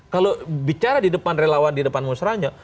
kalau bicara di depan relawan di depan musranya